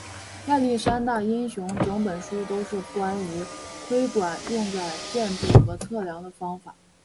亚历山大英雄整本书都是关于窥管用在建筑和测量的方法。